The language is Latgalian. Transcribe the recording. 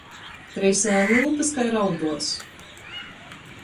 Treisēja lyupys kai rauduos.